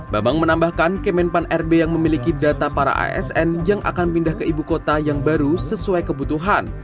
bambang menambahkan kemenpan rb yang memiliki data para asn yang akan pindah ke ibu kota yang baru sesuai kebutuhan